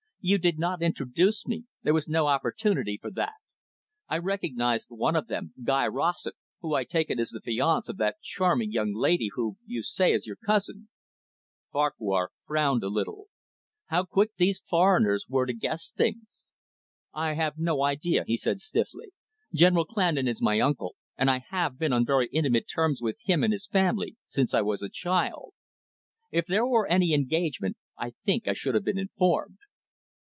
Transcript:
"You did not introduce me, there was no opportunity for that. I recognised one of them, Guy Rossett, who, I take it, is the fiance of that charming young lady who, you say, is your cousin." Farquhar frowned a little. How quick these foreigners were to guess things. "I have no idea," he said stiffly. "General Clandon is my uncle, and I have been on very intimate terms with him and his family since I was a child. If there were any engagement, I think I should have been informed."